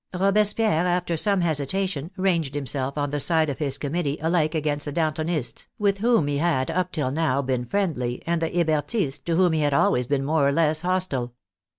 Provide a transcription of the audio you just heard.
Robespierre, after some hesitation, ranged himself on the side of his committee alike against the Dantonists, with whom he had, up till now, been friendly, and the Hebertists, to whom he had been always more or less hostile.